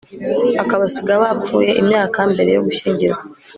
akabasiga bapfuye imyaka mbere yo gushyingurwa